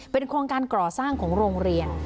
โครงการก่อสร้างของโรงเรียน